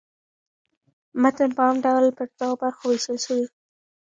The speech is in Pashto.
متن په عام ډول پر دوو برخو وېشل سوی.